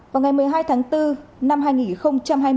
vào ngày một mươi hai tháng bốn năm hai nghìn hai mươi